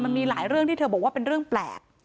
มันมีหลายเรื่องที่เธอบอกว่าเป็นเรื่องแปลก